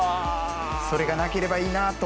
それがなければいいな